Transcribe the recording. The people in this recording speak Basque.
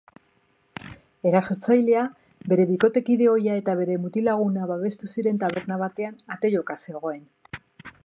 Erasotzailea bere bikotekide ohia eta bere mutil-laguna babestu ziren taberna batean ate-joka zegoen.